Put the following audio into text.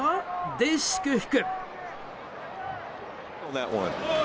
で祝福。